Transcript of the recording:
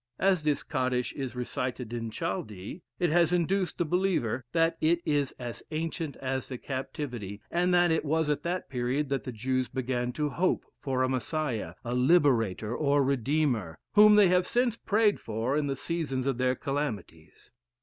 As this Radish is recited in Chaldee, it has induced the belief, that it is as ancient as the captivity, and that it was at that period that the Jews began to hope for a Messiah, a Liberator, or Redeemer, whom they have since prayed for in ihe seasons of their calamities.